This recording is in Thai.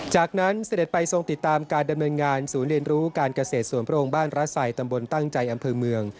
จากนั้นเสด็จไปทรงติดตามการดำเนินงานศูนย์เรียนรู้การเกษตรสวนพระองค์บ้านรัศัยตำบลตั้งใจอำเภอเมือง